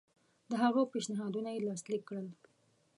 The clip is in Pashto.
د هغه پېشنهادونه یې لاسلیک کړل.